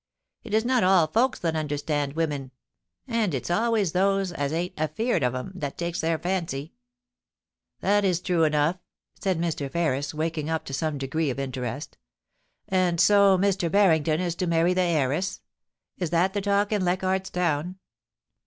It is not all folks that understand women ; and it's always those as ain't afeard of 'em that takes their fancy.' * That is true enough,' said Mr. Ferris, waking up to some degree of interest * And so Mr. Harrington is to marry the heiress. Is that the talk in Leichardt's Town